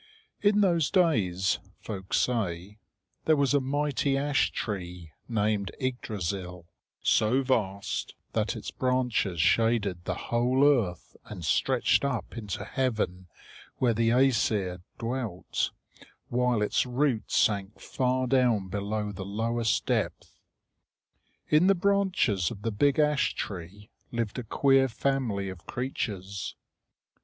In those days, folk say, there was a mighty ash tree named Yggdrasil, so vast that its branches shaded the whole earth and stretched up into heaven where the Æsir dwelt, while its roots sank far down below the lowest depth. In the branches of the big ash tree lived a queer family of creatures.